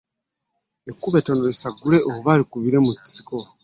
Ekkubo ettono esagule wakati mu kubira oba mu kisiko.